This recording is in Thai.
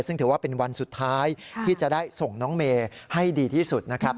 ซึ่งถือว่าเป็นวันสุดท้ายที่จะได้ส่งน้องเมย์ให้ดีที่สุดนะครับ